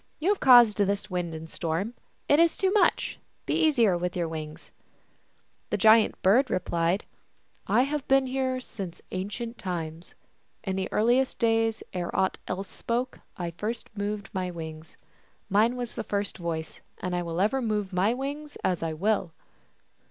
You have caused this wind and storm ; it is too much. Be easier with your wings !" The Giant Bird replied, " I have been here since ancient times ; in the earliest days, ere aught else spoke, I first moved my wings ; mine was the first voice, and I will ever move my wings as I will."